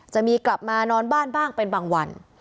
จะมีกลับมานอนบ้านบ้างเป็นบางวัน